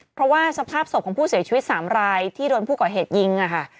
เพราะว่าสภาพศพของผู้เสียชีวิต๓รายที่โดนผู้ก่อเหตุยิงค่ะ